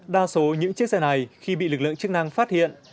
đa số những chiếc xe này khi bị lực lượng chức năng phát hiện